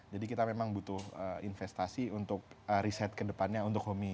jadi kita memang butuh investasi untuk riset kedepannya untuk homi